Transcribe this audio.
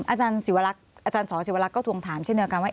อาจารย์ศิวรักษ์อาจารย์สอศิวรักษ์ก็ทวงถามเช่นเดียวกันว่า